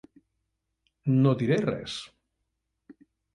No diré res.